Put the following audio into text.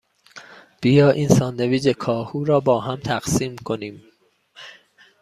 بیا این ساندویچ کاهو را باهم تقسیم کنیم.